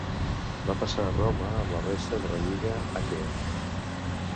Va passar a Roma amb la resta de la lliga Aquea.